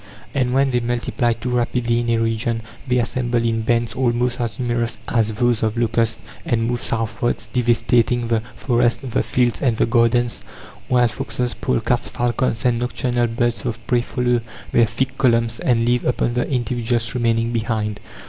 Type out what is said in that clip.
And when they multiply too rapidly in a region, they assemble in bands, almost as numerous as those of locusts, and move southwards, devastating the forests, the fields, and the gardens; while foxes, polecats, falcons, and nocturnal birds of prey follow their thick columns and live upon the individuals remaining behind.